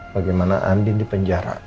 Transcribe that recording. bagaimana andi dipenjara